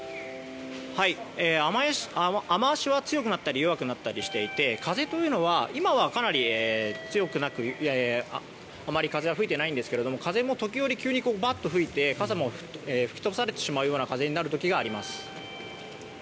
雨脚は、強くなったり弱くなったりしていて風は、今はあまり吹いていないんですけれども風も時折急にばっと吹いて傘も吹き飛ばされるような風になる時があります。